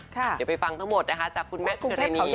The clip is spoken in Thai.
เดี๋ยวไปฟังทั้งหมดนะคะจากคุณแม็กซ์เชอร์นี